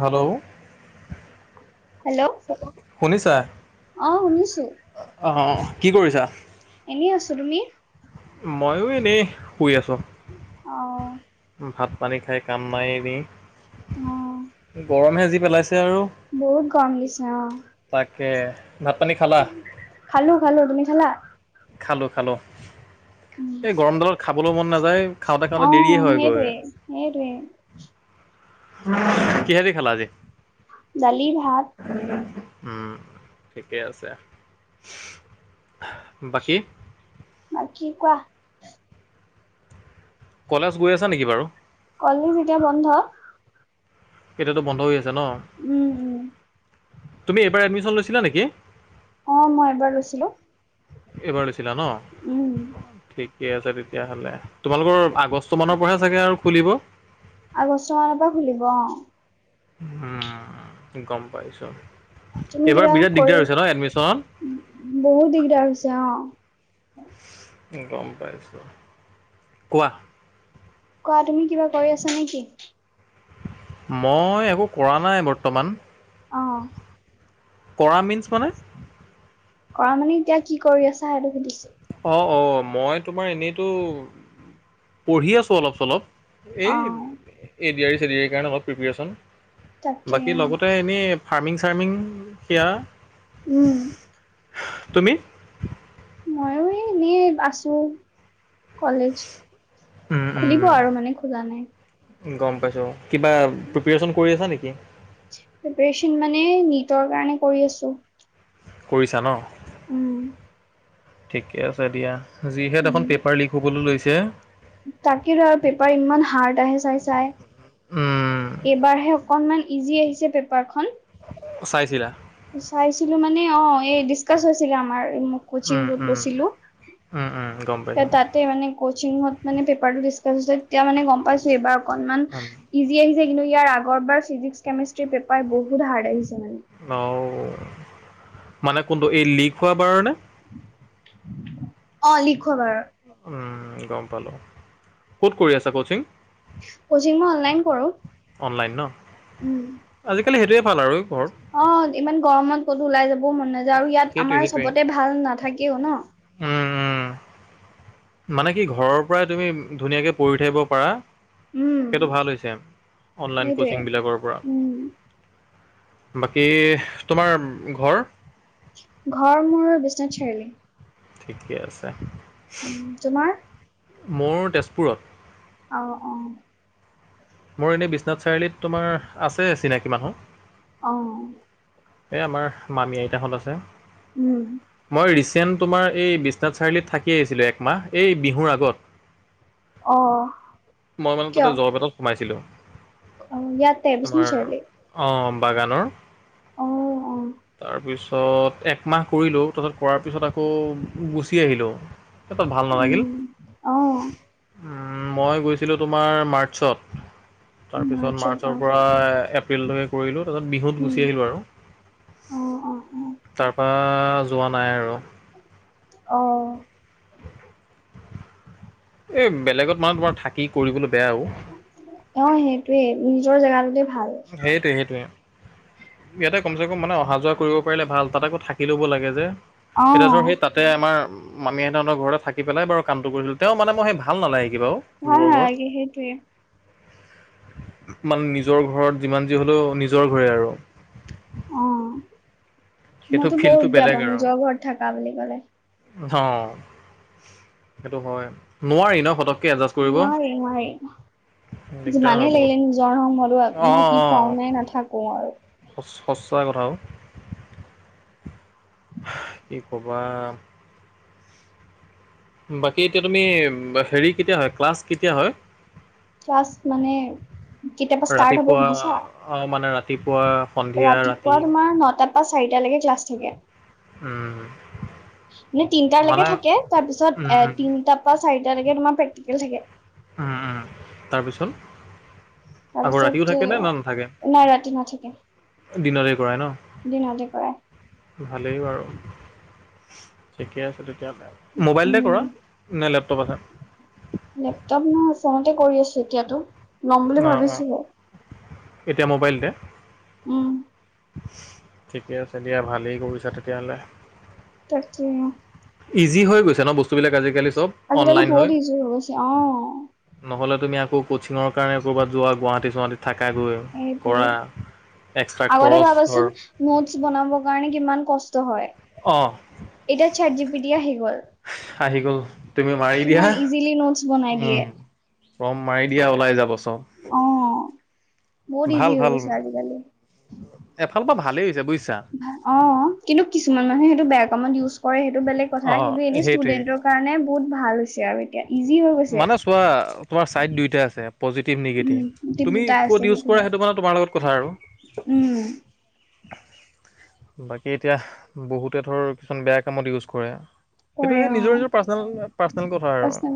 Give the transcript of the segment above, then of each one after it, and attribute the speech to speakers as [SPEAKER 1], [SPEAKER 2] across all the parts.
[SPEAKER 1] Hello
[SPEAKER 2] hello
[SPEAKER 1] শুনিছা
[SPEAKER 2] অ শুনিছো
[SPEAKER 1] অ', কি কৰিছা?
[SPEAKER 2] এনেই আছো তুমি?
[SPEAKER 1] ময়ো এনেই শুই আছোঁ
[SPEAKER 2] অ
[SPEAKER 1] ভাত পানী খাই কাম নাই এনেই
[SPEAKER 2] অ
[SPEAKER 1] গৰম সেজি পেলাইছে আৰু
[SPEAKER 2] বহুত গৰম দিছে অ',
[SPEAKER 1] কে
[SPEAKER 2] খালো খালো তুমি খালা?
[SPEAKER 1] খালো খালো এই গৰমডালত খাবলৈ মন নাযায় খাওঁতে খাওঁতে
[SPEAKER 2] অ
[SPEAKER 1] দেৰিয়ে হয় গৈ
[SPEAKER 2] সেইটোৱে সেইটোৱে
[SPEAKER 1] কিহেদি খালা আজি
[SPEAKER 2] দালি ভাত
[SPEAKER 1] উম ঠিকে আছে বাকী
[SPEAKER 2] বাকী কোৱা
[SPEAKER 1] কলেজ গৈ আছা নেকি বাৰু?
[SPEAKER 2] কলেজ এতিয়া বন্ধ
[SPEAKER 1] এতিয়াতো বন্ধ হৈ আছে ন
[SPEAKER 2] উম উম
[SPEAKER 1] তুমি এইবাৰ এডমিচন লৈছিলা নেকি?
[SPEAKER 2] অহ মই এবাৰ লৈছিলো
[SPEAKER 1] এইবাৰ লৈছিলা ন
[SPEAKER 2] উম
[SPEAKER 1] ঠিকে আছে, তেতিয়াহলে তোমালোকৰ আগষ্ট মানৰ পৰাহে চাগে আৰু খুলিব
[SPEAKER 2] আগষ্ট মানৰ পৰা খুলিব অ',
[SPEAKER 1] উম গম পাইছো
[SPEAKER 2] তুমি কিবা
[SPEAKER 1] এইবাৰ বিৰাট
[SPEAKER 2] কৰি
[SPEAKER 1] দিগদাৰ হৈছে ন, এডমিচনত।
[SPEAKER 2] বহুত দিগদাৰ হৈছে অ'।
[SPEAKER 1] গম পাইছোঁ, কোৱা?
[SPEAKER 2] কোৱা তুমি, কিবা কৰি আছা নেকি?
[SPEAKER 1] মই একো কৰা নাই, বৰ্তমান।
[SPEAKER 2] অ
[SPEAKER 1] কৰা মিন্ছ মানে
[SPEAKER 2] কৰা মানে এতিয়া কি কৰি আছা সেইটো সুধিছো।
[SPEAKER 1] অ', অ', মই তোমাৰ এনেইতো পঢ়ি আছো অলপ, চলপ। এই,
[SPEAKER 2] অ
[SPEAKER 1] এডিয়াৰী চেডিাৰী কাৰণে অলপ প্ৰিপেৰে্চন
[SPEAKER 2] তাকে
[SPEAKER 1] বাকী লগতে এনেই। ফাৰ্মিং, চাৰ্মিং সেয়া।
[SPEAKER 2] উম।
[SPEAKER 1] তুমি?
[SPEAKER 2] ময়ো এই এনেই আছো। কলেজ
[SPEAKER 1] উম, উম,
[SPEAKER 2] খুলিব আৰু
[SPEAKER 1] উম।
[SPEAKER 2] মানে খোলা নাই।
[SPEAKER 1] গম পাইছো, কিবা প্ৰিপৰেচন কৰি আছা নেকি।
[SPEAKER 2] প্ৰিপাৰেচন মানে নিজৰ কাৰণে কৰি আছো।
[SPEAKER 1] কৰিছা ন।
[SPEAKER 2] উম।
[SPEAKER 1] ঠিকে আছে, দিয়া যিহে এখন পেপাৰ লিক হবলৈ লৈছে।
[SPEAKER 2] তাকে ধ, পেপাৰ ইমান হাৰ্ড আহে, চাই,
[SPEAKER 1] উম।
[SPEAKER 2] চাই। এইবাৰহে অকনমান ইজি আহিছে পেপাৰখন।
[SPEAKER 1] চাইছিলা?
[SPEAKER 2] চাইছিলো মানে অ, এই ডিচকাচ হৈছিলে আমাৰ। মই
[SPEAKER 1] উম
[SPEAKER 2] কোচিংত
[SPEAKER 1] উম
[SPEAKER 2] গৈছিলো।
[SPEAKER 1] উম উম গম পাইছো
[SPEAKER 2] তাতে মানে কচিংত মানে পেপাৰটো তাৰপিছত এতিয়া মানে গম পাইছো, এইবাৰ অকনমান
[SPEAKER 1] উম
[SPEAKER 2] ইজি আহি কিন্তু ইয়াৰ আগৰাৰ ফিজিক্স, কেমিষ্ট্ৰিৰ পেপাৰ বহুত হাৰ্ড আহিছে মানে।
[SPEAKER 1] অ, মানে কোনটো এই লিক হোৱাৰ কাৰণে।
[SPEAKER 2] অ, লিখো বাৰু।
[SPEAKER 1] গম পালোঁ ক'ত কৰি আছে ক'চিং?
[SPEAKER 2] কচিং মই অনলাইন কৰো।
[SPEAKER 1] অনলাইন ন,
[SPEAKER 2] উম।
[SPEAKER 1] আজিকালি সেইটোয়ে।
[SPEAKER 2] অ, ইমান গৰমত ক'তো ওলাই যাব। মন নাযায় আৰু ইয়াত
[SPEAKER 1] সেইটোৱে
[SPEAKER 2] আমাৰ
[SPEAKER 1] সেইটোৱে
[SPEAKER 2] চবতে ভাল নাথাকেও, ন।
[SPEAKER 1] উম উম মানে কি ঘৰৰ পৰাই তুমি ধুনীয়াকে পৰি থাকিব পাৰা।
[SPEAKER 2] উম
[SPEAKER 1] সেইটো ভাল হৈছে, অনলাইন
[SPEAKER 2] সেইটোৱে
[SPEAKER 1] কোচিংবিলাকৰ পৰা
[SPEAKER 2] উম
[SPEAKER 1] বাকী তোমাৰ ঘৰ?
[SPEAKER 2] ঘৰ মূৰৰ বিশ্বনাথ চাৰিআলি।
[SPEAKER 1] ঠিকে আছে।
[SPEAKER 2] উ, তোমাৰ।
[SPEAKER 1] মোৰ তেজপুৰত।
[SPEAKER 2] আহ, অ'।
[SPEAKER 1] মোৰ এনেই বিশ্বনাথ চাৰিআলিত তোমাৰ আছে চিনাকি মানুহ।
[SPEAKER 2] আহ।
[SPEAKER 1] এ, আমাৰ মামি আইতাখন আছে।
[SPEAKER 2] উম।
[SPEAKER 1] চেন তোমাৰ এই বিশ্বনাথ চাৰিআলিত থাকি আহিছিলোঁ, একমাহ এই বিহুৰ আগত।
[SPEAKER 2] অ
[SPEAKER 1] মই মানে
[SPEAKER 2] কিয়
[SPEAKER 1] তাতে জৰপেটত সোমাইছিলো।
[SPEAKER 2] অ ইয়াতে বিশ্বনাথ
[SPEAKER 1] তোমাৰ
[SPEAKER 2] চাৰিআলি
[SPEAKER 1] আহ বাগানৰ।
[SPEAKER 2] অ অ
[SPEAKER 1] তাৰ পিছত একমাহ কৰিলো, তাৰিছত কৰাৰ পিছত আকৌ গু ম
[SPEAKER 2] উম অ
[SPEAKER 1] ম আমাৰ মাৰ্চত তাৰপিছত
[SPEAKER 2] মাৰ্চত অ
[SPEAKER 1] মাৰ্চৰ পৰা এপ্ৰিলটকে কৰিলো তাৰপিছ বিহুত
[SPEAKER 2] উম
[SPEAKER 1] গুচি আহিলো আৰু
[SPEAKER 2] অ অ অ
[SPEAKER 1] তাৰপ যোৱা নাই আৰু
[SPEAKER 2] আহ
[SPEAKER 1] এই বেলেগত মানু তোমাৰ থাকি কৰিবলৈ বেয়া আৰু
[SPEAKER 2] অ', েইটোয়ে নিজৰ জেগাটোতে ভাল
[SPEAKER 1] সেইটোৱে সেইটোৱে ইয়াতে কমচে কম মানে অহা যোৱা কৰিব পাৰিলে ভাল তাত আকৌ থাকি ল'ব লাগে যে
[SPEAKER 2] অ
[SPEAKER 1] এতিয়া ধৰ সেই তাতে আমাৰ মামি সেঁতৰ ঘৰ থাকি পেলাই বাৰ কাম কৰিছিল তেওঁ মানে মইেই ভাল নালাগে থাকিবা
[SPEAKER 2] ভাল
[SPEAKER 1] লোকৰ ঘৰত
[SPEAKER 2] নালাগে সেইটোৱে
[SPEAKER 1] মানে নিজৰ ঘৰত যিমান যি হ'লেও নিজৰ ঘৰে আৰু
[SPEAKER 2] অ ',
[SPEAKER 1] সেইটো
[SPEAKER 2] মইতো বহুত
[SPEAKER 1] ফিল্ডটো
[SPEAKER 2] বেয়া
[SPEAKER 1] বেলেগ
[SPEAKER 2] পাওঁ
[SPEAKER 1] আৰু
[SPEAKER 2] নিজৰ ঘৰত থাককা বুলি ক'লে
[SPEAKER 1] অ', েইটো হয় নোৱাৰি ন সতক
[SPEAKER 2] ন ম
[SPEAKER 1] দিগদাৰ হয়
[SPEAKER 2] যিমানেই
[SPEAKER 1] বহুত
[SPEAKER 2] লাগিলে নিজৰ নয়তো
[SPEAKER 1] অঁ
[SPEAKER 2] থাকি পাও নাই নাথাকো আৰু
[SPEAKER 1] সচা কথাও কি ক'বা বাকী এতিয়া তুমি হেৰি কেতিয়া হয় ক্লাছ কেতি হয়
[SPEAKER 2] কাষ্ট মানে কেতিয়াবা ষ্টাৰ্ট হব
[SPEAKER 1] ৰাতিপুৱা
[SPEAKER 2] সুধিছা
[SPEAKER 1] অঁ মানে ৰাতিপুৱা সন্ধিয়া ৰাতি
[SPEAKER 2] ৰাতিপুৱা তোমাৰ নটাত অ', াৰিটা লাগে ক্লাছ থাকে
[SPEAKER 1] উম,
[SPEAKER 2] মানে তিনটালৈকে
[SPEAKER 1] মানে
[SPEAKER 2] থাকে তাৰপিছত
[SPEAKER 1] উম, উম,
[SPEAKER 2] এ তিনটাৰ পৰা চাৰিটালৈকে তোমাৰ প্ৰেক্টিকেল থাকে
[SPEAKER 1] তাৰপিছত আকৌ ৰাতিও
[SPEAKER 2] তাৰপিছত
[SPEAKER 1] থাকে নে না নাথাকে?
[SPEAKER 2] নাই ৰাতি না থাকে
[SPEAKER 1] দিনতে কৰাই ন ভালেই বাৰু ঠিকে আছে মোবাইলতে
[SPEAKER 2] উম
[SPEAKER 1] কৰা নে লেপটপ আছে
[SPEAKER 2] চনতে কৰি আছেো এতিয়াতো ল'ম বুলি
[SPEAKER 1] অ', অ'।
[SPEAKER 2] ভাবিছো হয়
[SPEAKER 1] এতিয়া মোবাইলতে
[SPEAKER 2] উম,
[SPEAKER 1] ঠিকে আছে দিয়া ভালেই কৰিছা তেতিয়াহ'লে
[SPEAKER 2] তাক
[SPEAKER 1] ইজি হৈ গৈছে ন বস্তুবিলাক আজিকালি চব
[SPEAKER 2] আজিকালি
[SPEAKER 1] অনলাইন
[SPEAKER 2] বহুত
[SPEAKER 1] হয়
[SPEAKER 2] ইজি হৈ গৈছে অ
[SPEAKER 1] নহ'লে তুমি আকৌ কচিঙৰ কাৰণে ক'বাত যোৱা গুৱাহাটীুৱাহী
[SPEAKER 2] সেইটোৱে
[SPEAKER 1] এক্সট্ৰা
[SPEAKER 2] আগৰে
[SPEAKER 1] খৰচ ধৰ
[SPEAKER 2] ভাবচোন নোটছ বনাব আ কিমান কষ্ট হয়
[SPEAKER 1] অ'
[SPEAKER 2] এতিয়া চাৰ জিপিটি আহি গ'ল
[SPEAKER 1] হাহি গল তুমি মাৰি দিয়া
[SPEAKER 2] কিমান ইজিলি নোটছ বনাই
[SPEAKER 1] উম
[SPEAKER 2] দিয়ে।
[SPEAKER 1] ৰম মাৰি দিয়া ওলাই যাবচোন
[SPEAKER 2] অ', বহুত
[SPEAKER 1] ভাল
[SPEAKER 2] ইজি হৈ
[SPEAKER 1] ভাল
[SPEAKER 2] গৈছে আজিকালি
[SPEAKER 1] এফালৰ পৰা ভালেই হৈছে বুজিছ
[SPEAKER 2] অ', কিন্তু কিছুমান মানুহে সেইটো বেয়া কামত ইউজ কৰে সেইটো বেলেগ কথা
[SPEAKER 1] অ'
[SPEAKER 2] কিন্তু এনে
[SPEAKER 1] সেইটোৱে।
[SPEAKER 2] ষ্টুডেন্টৰ কাৰণে বহুত ভাল হৈছে আৰু এতিয়া ইজি হৈ গৈছে।
[SPEAKER 1] মানে চোৱা তোমাৰ চাই দুই আছে পজিটিভ
[SPEAKER 2] উম,
[SPEAKER 1] নিগেটিভ
[SPEAKER 2] টিপ
[SPEAKER 1] তুমি
[SPEAKER 2] দুটা আছে
[SPEAKER 1] ক'ত ইউজ কৰা
[SPEAKER 2] হয়।
[SPEAKER 1] সেইটো মান তোমাৰ লগত কথা আৰু
[SPEAKER 2] উম,
[SPEAKER 1] বাকী এতিয়া বহুতে ধৰ কিছুমান বেয়া কামত ইউজ কৰে সেইটো
[SPEAKER 2] কৰে
[SPEAKER 1] সে নিজৰ
[SPEAKER 2] অ',
[SPEAKER 1] নিজৰ পাৰ্চনেল পাৰ্চনেল কথা আৰু
[SPEAKER 2] পাৰ্চনেল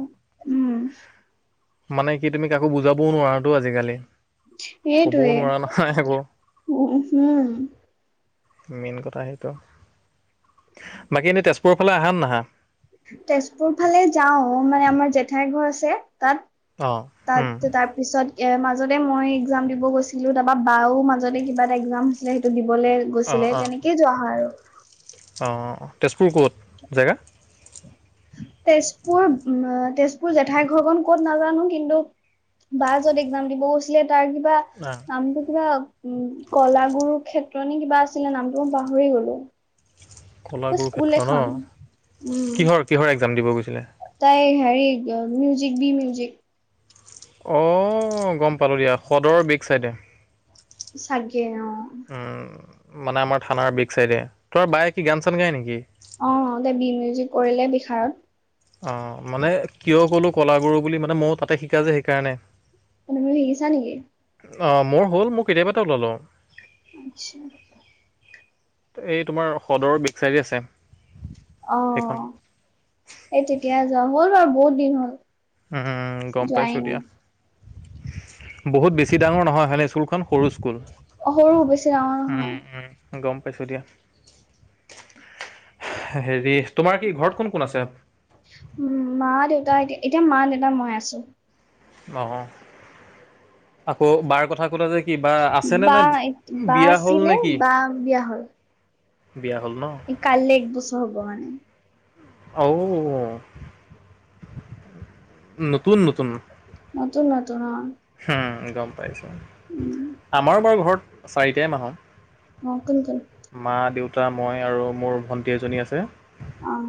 [SPEAKER 2] উম,
[SPEAKER 1] মানে কি তুমি কাকো বুজাবও নোৱাৰাতো আজিকালি কবও
[SPEAKER 2] সেইটোৱে
[SPEAKER 1] নোৱাৰা নহাই আকৌ
[SPEAKER 2] উম, হম
[SPEAKER 1] মেইন কথা সেইটো বাকী এনেই তেজপুৰৰ ফালে আহান, নহা।
[SPEAKER 2] তেজপুৰ ফালে যাও মানে আমাৰ জেঠাইৰ ঘৰ আছে। তাত,
[SPEAKER 1] অঁ উম,
[SPEAKER 2] তাত তাৰপিছত এম মাজতে, মই এক্সাম দিব গৈছিলো, তাৰপৰা বাও মাজতে কিবা এটা এক্সাম হৈছিলে সেইটো দিব। লে, গৈছিলে তেনেকে যোৱা হয়া আৰু।
[SPEAKER 1] অ, তেজপুৰ ক'ত জেগা
[SPEAKER 2] তেজপুৰ, তেজপুৰ জেঠাই ঘৰখনন ক'ত নাজানো কিন্তু। বা য'ত একজাম দিব গৈছিলে তাৰ কিবা
[SPEAKER 1] অঁ,
[SPEAKER 2] নামটো কি'বা উ, কলাগুৰু ক্ষেত্ৰ ন কিবা আছিলে নামটো মই পাহৰি গলো।
[SPEAKER 1] কলাগুৰু
[SPEAKER 2] স্কুল
[SPEAKER 1] ক্ষেত্ৰ ন,
[SPEAKER 2] এখন
[SPEAKER 1] কিহৰ, কিহৰ একজাম দিব গৈছিলে।
[SPEAKER 2] হ, মউজিক বি, মিউজিক।
[SPEAKER 1] আহ, গম পালো দিয়া সদৰৰ বিগ চাইডে।
[SPEAKER 2] চাকে, অ'।
[SPEAKER 1] উম, মানে আমাৰ থানাৰ বিক চাইডে তোৰ বায়ে কি গান, চান গাই নেকি।
[SPEAKER 2] অ, তে বি মিউজিক কৰিলে বিশাৰত।
[SPEAKER 1] অ, মানে কিয় ক'লো কলাগুৰু বুলি মানে ময়ও তাতে শিকা যে সেইকাৰণে।
[SPEAKER 2] ম, মই, শিকিছা নেকি।
[SPEAKER 1] অ, মোৰ হ'ল মোক কেতিয়াবা এটাও ললওঁ।
[SPEAKER 2] আচ্ছা।
[SPEAKER 1] এই তোমাৰ সদৰৰ বেকচাৰী আছে।
[SPEAKER 2] অ,
[SPEAKER 1] সেইখন
[SPEAKER 2] এই ঠিকয়া যা হ'ল বাৰু বহুত দিন হ'ল।
[SPEAKER 1] উম, গম
[SPEAKER 2] যোৱাই
[SPEAKER 1] পাইছো দিয়া।
[SPEAKER 2] নাই
[SPEAKER 1] বহুত বেছি ডাঙৰ নহয় হনে স্কুলখন সৰু। স্কুল
[SPEAKER 2] সৰু বেছি ডাঙৰ নহয়।
[SPEAKER 1] উম উম গম পাইছোঁ, দিয়া হেৰি তোমাৰ কি ঘৰত কোন কোন আছে
[SPEAKER 2] উ, মা, দেউতা এতিয়া, এতিয়া মা, দেউতা মই আছোঁ।
[SPEAKER 1] অ, আকৌ বাৰ কথা কলা যে কি বা আছেনে
[SPEAKER 2] বা
[SPEAKER 1] নে
[SPEAKER 2] বা
[SPEAKER 1] বিয়া হ'ল
[SPEAKER 2] আছিলে
[SPEAKER 1] নেকি।
[SPEAKER 2] বা বিয়া হ'ল এই কাললৈ এক বছৰ হব মানে।
[SPEAKER 1] অঔ। নতুন, নতুন।
[SPEAKER 2] নতুন, নতুন।
[SPEAKER 1] হুম, গম
[SPEAKER 2] উম
[SPEAKER 1] আমাৰো বাৰু ঘৰত চাৰিটাই মানুহ।
[SPEAKER 2] অ, কোন, কোন।
[SPEAKER 1] দুটা মই আৰু মোৰ ভণ্টি এজনী আছে।
[SPEAKER 2] আহ।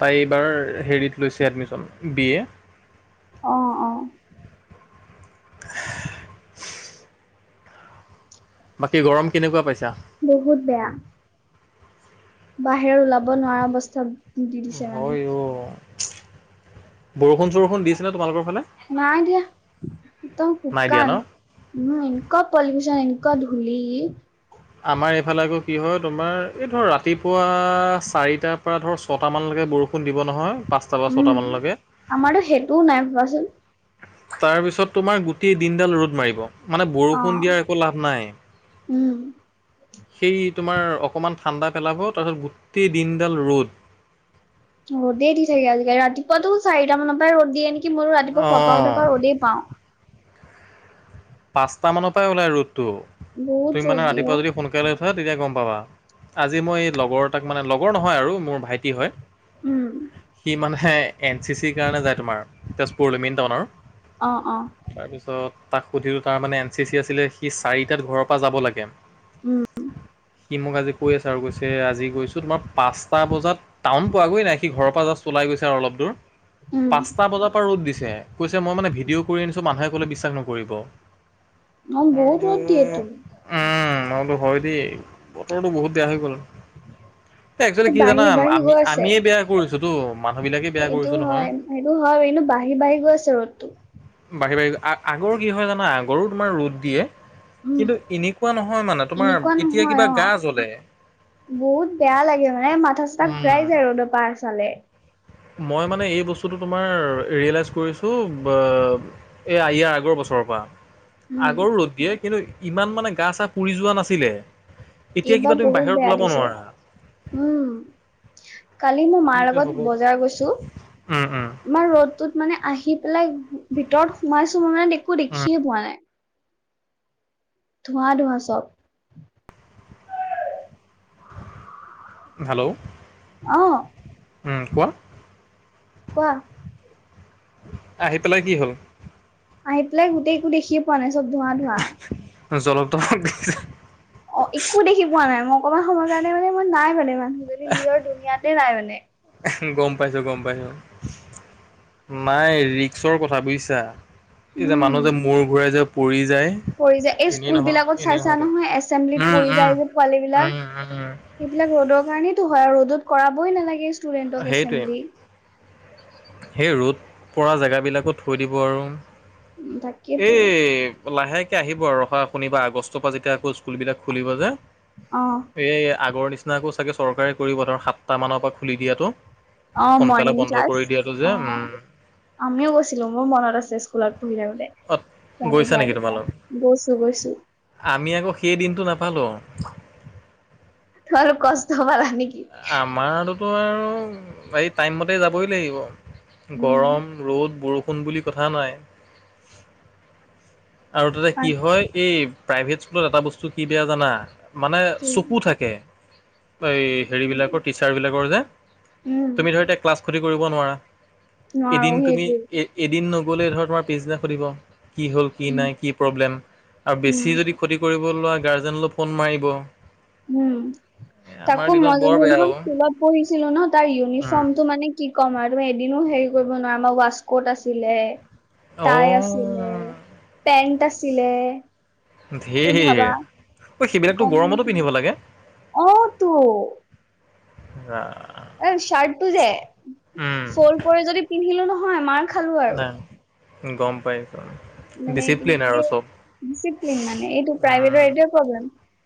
[SPEAKER 1] তাই এইবাৰ হেৰিত লৈছে এডমিছন বি এ।
[SPEAKER 2] আহ, আহ।
[SPEAKER 1] [inaudible] বাকী গৰম কেনেকুৱা পাইছা।
[SPEAKER 2] বহুত বেয়া। বাহিৰৰ ওলাব নোৱাৰা অৱস্থা। দি দিছে মানে
[SPEAKER 1] হয়, অ, বৰষুণ, চৰষুণ দিছিলে তোমালোকৰ ফালে
[SPEAKER 2] নাই দিয়া ত,
[SPEAKER 1] নাই দিয়া
[SPEAKER 2] শুকান
[SPEAKER 1] ন
[SPEAKER 2] এনকুৱা পলিউচন এন ধূলি
[SPEAKER 1] আমাৰ এইফালে আকৌ কি হয়, তোমাৰ এই ধৰ ৰাতিপুৱা চাৰিটাৰ পৰা ধৰ ছটা মানলৈকে বৰষুণ। দিব নহয়, পাঁচটাৰ পৰা ছটা
[SPEAKER 2] উম
[SPEAKER 1] মানলৈকে।
[SPEAKER 2] আমাৰতো সেইটোও নাই ভাবাচোন
[SPEAKER 1] তাৰ পিছত তোমাৰ গোটেই দিনডাল ৰ'দ মাৰিব মানে
[SPEAKER 2] অ
[SPEAKER 1] বৰষুণ দিয়াৰ একো লাভ নাই।
[SPEAKER 2] উম।
[SPEAKER 1] সেই তোমাৰ অকণমান ঠাণ্ডা পেলাব তাৰপিছত গোটেই দিনডাল ৰ'দ।
[SPEAKER 2] ৰদে দি থাকে আজিকালি ৰাতিপুৱাটো চাৰিটা মানৰ পৰা ৰ'দ দিয়ে নেকি মোৰো ৰাতিপুৱা শুৱাৰ পৰা উঠাৰ
[SPEAKER 1] অ'
[SPEAKER 2] পৰা ৰদেই পাও
[SPEAKER 1] পাঁচটা মানৰ পৰা ওলাই ৰ'দটো
[SPEAKER 2] বহুত
[SPEAKER 1] তুমি
[SPEAKER 2] ৰ'দ
[SPEAKER 1] মানে
[SPEAKER 2] দিয়ে অ,
[SPEAKER 1] ৰাতিপুৱা যদি সোনকালে তেতিয়া গম পাবা আজি মই লগৰ তাক মানে লগৰ নহয় আৰু মোৰ ভাইটি
[SPEAKER 2] উম,
[SPEAKER 1] হয় সি মানেহে এন চি চিৰ কাৰণে যায় তোমাৰ তেজপুৰলৈ মেইন টাউনৰ
[SPEAKER 2] অ',
[SPEAKER 1] তাৰপিছত তাক সুধিলো তাৰ মে এন চি চি আছিলে সি চাৰিটাত ঘৰৰ পৰা যাব লাগে
[SPEAKER 2] উম,
[SPEAKER 1] সি মোক আজি কৈ আছে আৰু কৈছে আজি গৈছো তমাৰ পাঁচটা বজাত টাউন পোৱাগৈে নাই সি ঘৰৰ পৰা জাষ্ট লাই গৈছে আৰু অলপ দূৰ
[SPEAKER 2] উম,
[SPEAKER 1] পাঁচটা বজাৰ পৰা ৰ'দ দিছে কৈছে মই মানে ভিডিঅ' কৰি আনিছো মানুহে কলে বিশ্বাস নকৰিব
[SPEAKER 2] অ,
[SPEAKER 1] মই
[SPEAKER 2] বহুত
[SPEAKER 1] বোলো
[SPEAKER 2] ৰ'দ দিয়েতো
[SPEAKER 1] উম মই বোলো হয় দেই বতৰটো বহুত বেয়া হৈ গ'ল এ একচুৱেলি কি
[SPEAKER 2] বাঢ়ি
[SPEAKER 1] জানাম
[SPEAKER 2] বাঢ়ি
[SPEAKER 1] আমি আমিয়ে বেয়া কৰিছোতো মানুহ বিলাকে বেয়া
[SPEAKER 2] এইটো
[SPEAKER 1] কৰিছো নহয়।
[SPEAKER 2] হয় এইটো হয় এইন বাঢ়ি বাঢ়ি গৈ আছে ৰ'দটো
[SPEAKER 1] বাঢ়ি বাঢ়ি আগৰ কি হয় জানা আগৰ তোমাৰ ৰ'দ দিয়ে
[SPEAKER 2] উম,
[SPEAKER 1] কিন্তু এনেকুৱা নহয় মানে তোমাৰ
[SPEAKER 2] এনেকুৱা
[SPEAKER 1] এতিয়া
[SPEAKER 2] নহয়
[SPEAKER 1] কিবা
[SPEAKER 2] অ,
[SPEAKER 1] গা জ্বলে
[SPEAKER 2] বহুত বেয়া লাগে মানে মাথা চা
[SPEAKER 1] উম।
[SPEAKER 2] ঘূৰাই যায় ৰ'দৰ পৰা চালে
[SPEAKER 1] মই মানে এই বস্তুটো তোমাৰ ৰিয়েলাইজ কৰিছোঁ এই ইয়াৰ আগৰ বস্তু ও
[SPEAKER 2] উম,
[SPEAKER 1] আগৰ ৰ'দ দিয়ে কিন্তু ইমান মানে গা চা পুৰি যোৱা নাছিলে এতিয়া
[SPEAKER 2] এইবাৰ
[SPEAKER 1] কিবা তুমি
[SPEAKER 2] বহুত
[SPEAKER 1] বাহিৰত
[SPEAKER 2] বেয়া
[SPEAKER 1] ওলাব
[SPEAKER 2] দিছে
[SPEAKER 1] নোৱাৰা
[SPEAKER 2] উম কালি কি মই মাৰ
[SPEAKER 1] যে
[SPEAKER 2] লগত
[SPEAKER 1] হ'ব
[SPEAKER 2] বজাৰ গৈছোঁ
[SPEAKER 1] উম উম
[SPEAKER 2] মাৰ ৰ'দটোত মানে আহি পেলাই ভিতৰত সোমাইছো মানে একো
[SPEAKER 1] উম
[SPEAKER 2] দেখিয়ে পোৱা নাই ধোঁৱা ধোঁৱা চব
[SPEAKER 1] হেল্ল'
[SPEAKER 2] আহ,
[SPEAKER 1] উম কোৱা
[SPEAKER 2] কোৱা
[SPEAKER 1] আহি পেলাই কি হ'ল?
[SPEAKER 2] আহি পেলাই গোটেই একো দেখি পোৱা নাই চব ধোঁৱা ধোৱা
[SPEAKER 1] জলপ ত
[SPEAKER 2] অ', একো দেখি পোৱা নাই অকমান সময়ৰ কাৰণে মানে মই নাই মানে মানুহ যদি নিজৰ দুুনীয়াতে নাই মানে
[SPEAKER 1] গম পাইছো গম পাইছো নাই ৰিক্সৰ কথা বুজিছা এই যে
[SPEAKER 2] উম।
[SPEAKER 1] মানুহ যে মূ ঘূৰাই য প য
[SPEAKER 2] পৰি যায় এই স্কুলবলাকত চাইছা
[SPEAKER 1] নহয়তো
[SPEAKER 2] নহয় এচেম্বলিত
[SPEAKER 1] উম
[SPEAKER 2] পৰি
[SPEAKER 1] উম
[SPEAKER 2] যায় যে পোৱালী
[SPEAKER 1] উম
[SPEAKER 2] বিলাক
[SPEAKER 1] উম
[SPEAKER 2] এইবিলাক ৰ'দৰ কাৰণেতো হয় আৰু ৰ'দত কৰাবই নালাগে ষ্টুডেন্টক
[SPEAKER 1] সেইটোৱে
[SPEAKER 2] এছেম্বলি
[SPEAKER 1] সেই ৰ'দ পৰা জেগাবিলাকো থৈ দিব আৰু
[SPEAKER 2] তাকেতো
[SPEAKER 1] এই লাহেকে আহিব আৰু ৰহা শনিবা আগষ্টৰ পৰা যেতিয়া আকৌ স্কুলবিলাক খুলিব যে
[SPEAKER 2] অ',
[SPEAKER 1] এ আগৰ নিচিনাকে চাগে চৰকাৰে কৰিব ধৰ সাতটা মানৰ পৰা খুলি দিয়াতো
[SPEAKER 2] অ', মৰ্ণিং ক্লাছ অ
[SPEAKER 1] উম
[SPEAKER 2] আমিও গৈছিলো মোৰ মনত আছে স্কুলত শু দে দে
[SPEAKER 1] অ গৈছা
[SPEAKER 2] ৰাতিুৱা
[SPEAKER 1] নেকি
[SPEAKER 2] ৰাতিুৱা
[SPEAKER 1] তোমালোক
[SPEAKER 2] গৈছো গৈছো
[SPEAKER 1] আমি আকৌ সেই দিনটো নাপালোঁ আৰু
[SPEAKER 2] ত আৰু কষ্ট পালা নেকি?
[SPEAKER 1] ত আৰু এই টাইমমতে যাবই লাগিব
[SPEAKER 2] উম
[SPEAKER 1] গৰম ৰ'দ বৰষুণ ফোন বুলি কথা নাই আৰু তাতে কি হয় এই প্ৰাইভেট স্কুলত এটা বস্তু কি বেয়া জানা মানে
[SPEAKER 2] আছো
[SPEAKER 1] চকু থাকে এই হেৰিবিলাকৰ টিচাৰবিলাকৰ যে
[SPEAKER 2] উম
[SPEAKER 1] তুমি ধৰি এতি ক্লাছ খতি কৰিব নোৱাৰা
[SPEAKER 2] নোৱাৰো
[SPEAKER 1] এদিন তুমি
[SPEAKER 2] সেইটো
[SPEAKER 1] এ এদিন পিছদিনা হুদিব কি হল কি নাই কি প্ৰব্লেম আৰু
[SPEAKER 2] উম
[SPEAKER 1] বেচি যদি খতি ক গাৰ্জেনলৈ ফোন মাৰিব
[SPEAKER 2] উম
[SPEAKER 1] এ আমাৰ
[SPEAKER 2] তাকো
[SPEAKER 1] দিনত
[SPEAKER 2] মন
[SPEAKER 1] বৰ বেয়া
[SPEAKER 2] যোনখন
[SPEAKER 1] অ
[SPEAKER 2] স্কুলত পঢ়িছিলো ন তাৰ
[SPEAKER 1] উম
[SPEAKER 2] ইউনিফৰ্মতটো মানে কি ক'ম আৰু এদিনো হেৰি কৰিব নোৱাৰে আমাৰ ৱাস্ক'ত আছিলে। তাই আছিলে,
[SPEAKER 1] অ
[SPEAKER 2] পেন্ট আছিলে। তুমি
[SPEAKER 1] ধেই।
[SPEAKER 2] ভাবা
[SPEAKER 1] সেইবিলাকতটো
[SPEAKER 2] কম
[SPEAKER 1] গৰমতো পিন্ধিব লাগে।
[SPEAKER 2] অ তো এ চাৰ্ট টো যে
[SPEAKER 1] উম
[SPEAKER 2] ফ্ৰল কৰি যদি পিন্ধিলো নহয় মান খালো আৰু
[SPEAKER 1] নাই গ'ম পায়।
[SPEAKER 2] মানে
[SPEAKER 1] ডিচিপ্লেন
[SPEAKER 2] কি
[SPEAKER 1] আৰু চ'ব।
[SPEAKER 2] ডিচিপ্লিন মানে এইটো প্ৰাইভেটৰ এইটোৱে প্ৰব্লেম।